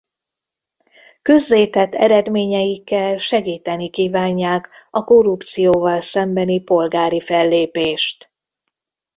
Közzétett eredményeikkel segíteni kívánják a korrupcióval szembeni polgári fellépést.